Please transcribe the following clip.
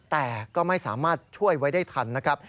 แต่ก็ไม่สามารถช่วยไว้ได้ทันนะครับ